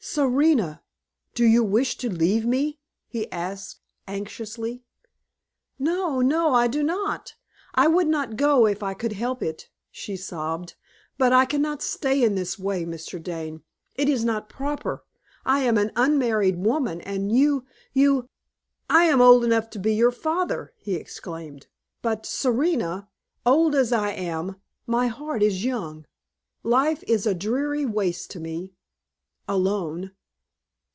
"Serena, do you wish to leave me?" he asked, anxiously. "No, no, I do not! I would not go if I could help it," she sobbed. "But I can not stay in this way, Mr. Dane. It is not proper. I am an unmarried woman, and you you " "I am old enough to be your father!" he exclaimed; "but, Serena, old as I am, my heart is young. Life is a dreary waste to me alone.